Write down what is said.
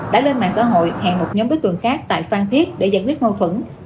đã lên mạng xã hội hẹn một nhóm đối tượng khác tại phan thiết để giải quyết mâu thuẫn